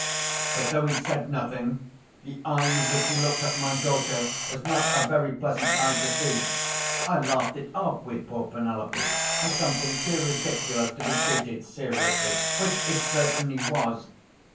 But, though he said nothing, the eye with which he looked at my daughter was not a very pleasant eye to see. I laughed it off with poor Penelope, as something too ridiculous to be treated seriously—which it certainly was.